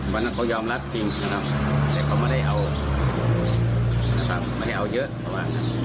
วันนั้นเขายอมรับจริงครับแต่เขาไม่ได้เอาเยอะ